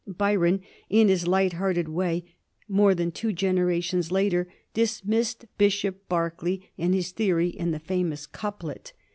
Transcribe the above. Byron, in his light hearted way, more than two generations later, dismissed Bishop Berkeley and his theory in the famous couplet — 1684 1763. BERKELET.